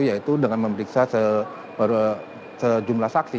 yaitu dengan memeriksa sejumlah saksi